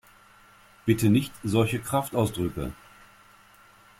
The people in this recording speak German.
Bitte nicht solche Kraftausdrücke!